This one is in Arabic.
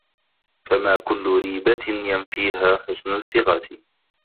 فَمَا كُلُّ رِيبَةٍ يَنْفِيهَا حُسْنُ الثِّقَةِ